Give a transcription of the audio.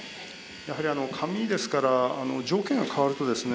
やはり紙ですから条件が変わるとですね